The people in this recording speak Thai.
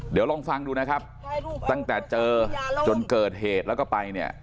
เดี๋ยวลองฟังดูนะครับตั้งแต่เจอจนเกิดเหตุแล้วก็ไปเนี่ย